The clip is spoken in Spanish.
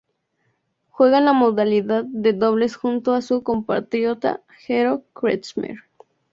Juega en la modalidad de dobles junto a su compatriota Gero Kretschmer.